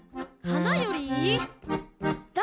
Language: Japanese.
「花より？」